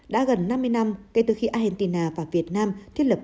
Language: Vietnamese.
đã gần năm mươi năm kể từ khi argentina và việt nam thiết lập covid một mươi chín